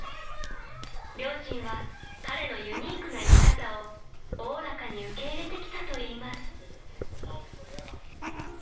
［両親は彼のユニークな生き方をおおらかに受け入れてきたといいます］